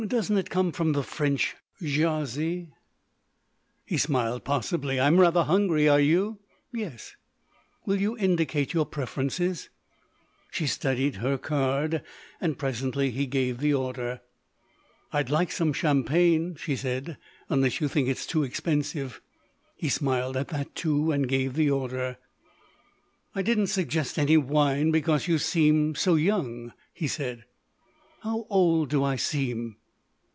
"Doesn't it come from the French 'jaser'?" He smiled. "Possibly. I'm rather hungry. Are you?" "Yes." "Will you indicate your preferences?" She studied her card, and presently he gave the order. "I'd like some champagne," she said, "unless you think it's too expensive." He smiled at that, too, and gave the order. "I didn't suggest any wine because you seem so young," he said. "How old do I seem?"